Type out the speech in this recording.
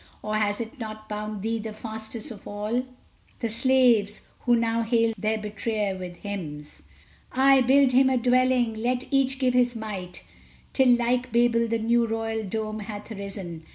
Or has it not bound thee the fastest of all The slaves, who now hail their betrayer with hymns? Ay! "Build him a dwelling!" let each give his mite! Till like Babel the new royal dome hath arisen!